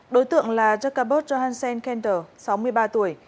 đối tượng là jacobot johansen kenter sáu mươi ba tuổi